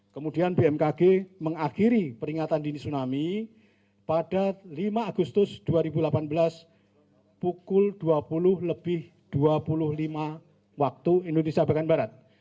kemudian bmkg mengakhiri peringatan dini tsunami pada lima agustus dua ribu delapan belas pukul dua puluh lebih dua puluh lima waktu indonesia bagian barat